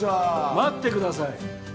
待ってください。